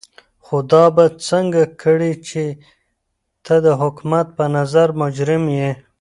خو دا به څنګه کړې چې ته د حکومت په نظر مجرم يې.